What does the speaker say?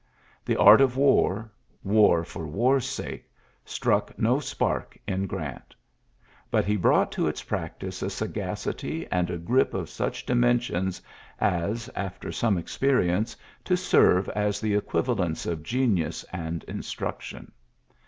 The art of war, war for war's sake, struck no spark in Orant. But he brought to its practice a sagacity and a grip of such dimensions as (after some experience) to serve as the equivalents of genius and instruc tion.